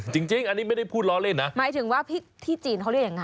จริงอันนี้ไม่ได้พูดล้อเล่นนะหมายถึงว่าที่จีนเขาเรียกยังไง